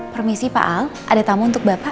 permisi pak al ada tamu untuk bapak